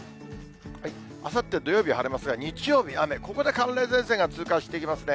あさって土曜日は晴れますが、日曜日、雨、ここで寒冷前線が通過していきますね。